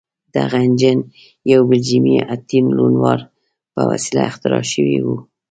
دغه انجن یو بلجیمي اتین لونوار په وسیله اختراع شوی و.